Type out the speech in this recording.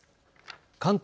関東